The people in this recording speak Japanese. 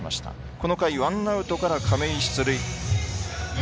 この回もワンアウトから亀井出塁。